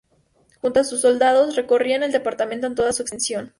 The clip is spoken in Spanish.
Junto a sus soldados, recorrían el departamento en toda su extensión.